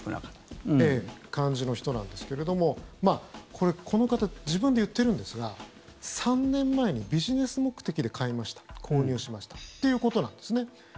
そういう感じの人なんですけれどもこの方、自分で言ってるんですが３年前にビジネス目的で買いました購入しましたっていうことなんですね。